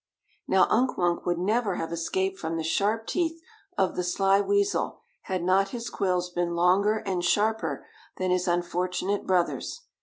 Now Unk Wunk would never have escaped from the sharp teeth of the sly weasel had not his quills been longer and sharper than his unfortunate brothers.